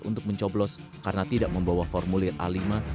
untuk mencoblos karena tidak membawa formulir a lima